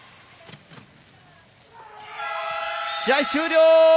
試合終了。